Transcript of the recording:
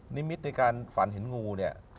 นิมิตในการฝันเห็นงูเนี่ย